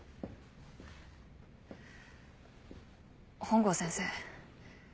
本郷先生